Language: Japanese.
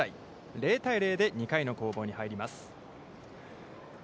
０対０で２回の攻防に入ります。